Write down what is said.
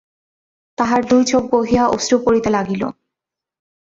তাহার দুই চোখ বহিয়া অশ্রু পড়িতে লাগিল।